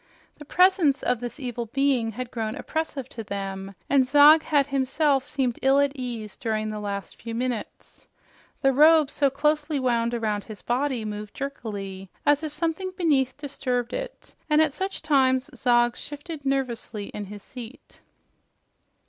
The presence of this evil being had grown oppressive to them, and Zog had himself seemed ill at ease during the last few minutes. The robe so closely wound around his body moved jerkily, as if something beneath disturbed it, and at such times Zog shifted nervously in his seat.